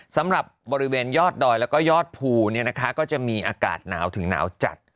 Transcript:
สำหรับบริเวณยอดดอยแล้วก็ยอดภูก็จะมีอากาศหนาวถึงหนาวจัด